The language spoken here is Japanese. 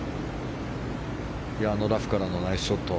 ラフからのナイスショット。